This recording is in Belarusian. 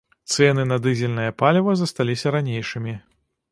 Цэны на дызельнае паліва засталіся ранейшымі.